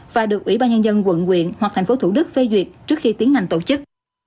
và được ủy ban nhân dân quận quyện hoặc thành phố thủ đức phê duyệt trước khi tiến hành tổ chức